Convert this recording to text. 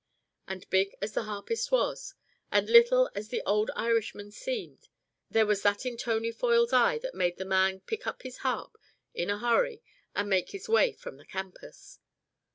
And big as the harpist was, and little as the old Irishman seemed, there was that in Tony Foyle's eye that made the man pick up his harp in a hurry and make his way from the campus.